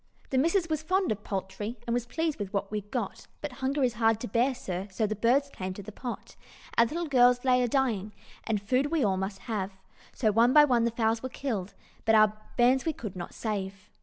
"The missus was fond of poultry, And was pleased with what we'd got; But hunger is hard to bear, sir, So the birds came to the pot. Our little gals lay a dying, And food we all must have, So one by one the fowls were killed, But our bairns we could not save.